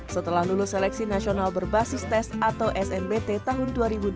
setelah lulus seleksi nasional berbasis tes atau snbt tahun dua ribu dua puluh